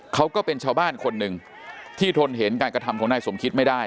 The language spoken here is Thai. ก็เป็นชาวบ้านคนหนึ่งที่ทนเห็นการกระทำของนายสมคิดไม่ได้